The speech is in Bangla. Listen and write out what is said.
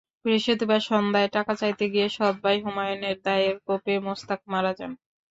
বৃহস্পতিবার সন্ধ্যায় টাকা চাইতে গিয়ে সৎভাই হুমায়ুনের দায়ের কোপে মোস্তাক মারা যান।